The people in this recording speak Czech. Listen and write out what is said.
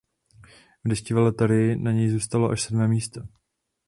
V deštivé loterii na něj zůstalo až sedmé místo.